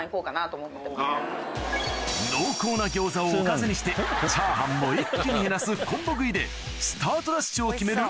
濃厚な餃子をおかずにしてチャーハンも一気に減らすコンボ食いでスタートダッシュを決める